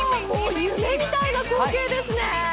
夢みたいな光景ですね。